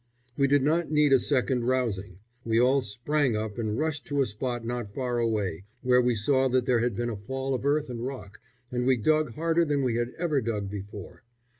We did not need a second rousing. We all sprang up and rushed to a spot not far away, where we saw that there had been a fall of earth and rock, and we dug harder than we had ever dug before.